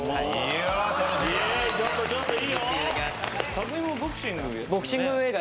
匠海もボクシング。